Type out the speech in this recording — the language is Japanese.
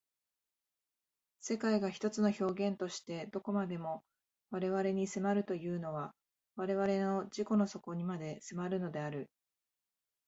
世界が一つの表現として何処までも我々に迫るというのは我々の自己の底にまで迫るのである。